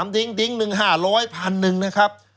๓ดิ้ง๑ดิ้ง๕๐๐พัน๑นะครับ